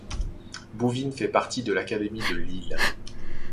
Bouvines fait partie de l'académie de Lille.